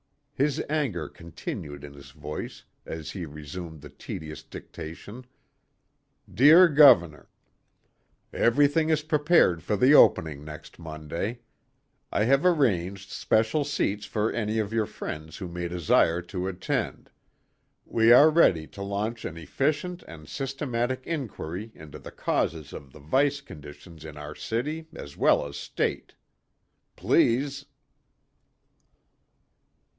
His anger continued in his voice as he resumed the tedious dictation: "Dear Governor: "Everything is prepared for the opening next Monday. I have arranged special seats for any of your friends who may desire to attend. We are ready to launch an efficient and systematic inquiry into the causes of the vice conditions in our city as well as state. Please...."